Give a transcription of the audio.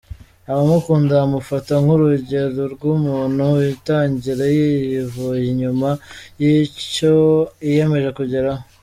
Abamukunda bamufata nk'urugero rw'umuntu witangira yivuye inyuma icyo yiyemeje kugeraho.